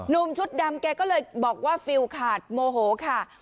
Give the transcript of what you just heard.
ชุดดำแกก็เลยบอกว่าฟิลขาดโมโหค่ะ